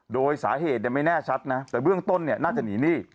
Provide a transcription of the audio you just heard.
โดยสาเหตุไม่แน่ชัดนะแต่เบื้องต้นเนี่ยน่าจะหนีหนี้